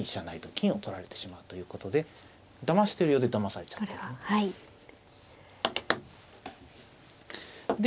成と金を取られてしまうということでだましてるようでだまされちゃってますね。